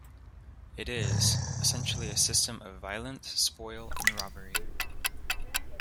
It is... essentially a system of violence, spoil, and robbery.